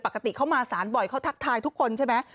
ปกติเขามาสารบ่อยเขาทักทายทุกคนใช่ไหม